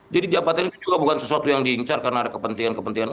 jadi jabatan ini juga bukan sesuatu yang diincar karena ada kepentingan kepentingan